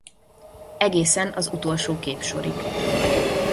Egészen az utolsó képsorig.